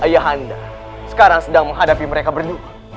ayah anda sekarang sedang menghadapi mereka berdua